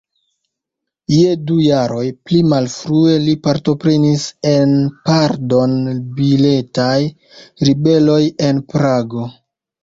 Je du jaroj pli malfrue li partoprenis en pardon-biletaj ribeloj en Prago.